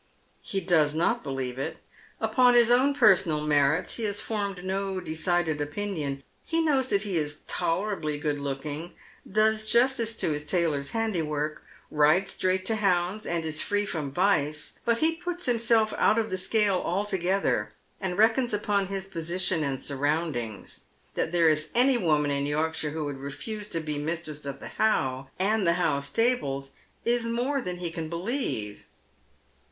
He does not believe it Upon his own personal men'ts he baa 810 Deo.d MeiCs Shoes, formed no dectaed opinion. He knows that he is tolerably good looking, does justice to his tailor's handiwork, rides straight to hounds, and is free fi om vice. But he puts himself out of the jcale altogether, and reckons upon his position and sun oundings. That there is any woman in Yorkshire who would refuse to be mistress of the How and the How stables is more than he can believe.